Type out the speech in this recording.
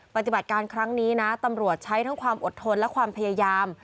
ปฏิบัติการครั้งนี้นะตำรวจใช้ทั้งความอดทนและความพยายาม